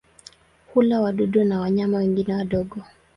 Hula wadudu na wanyama wengine wadogo.